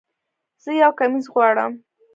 زه یو کمیس غواړم